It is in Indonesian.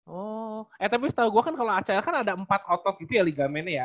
oh eh tapi setahu gue kan kalau acl kan ada empat otot gitu ya ligamennya ya